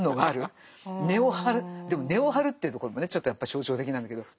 でも根を張るというところもねちょっとやっぱり象徴的なんだけど。